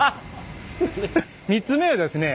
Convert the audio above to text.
３つ目はですね